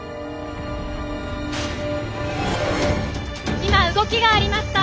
今動きがありました。